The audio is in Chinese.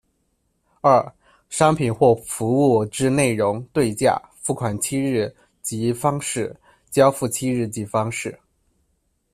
二、商品或服务之内容、对价、付款期日及方式、交付期日及方式。